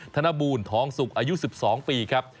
ธนบูรณทองสุกอายุ๑๒ปีครับ